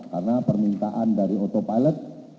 karena permintaan dari otopilot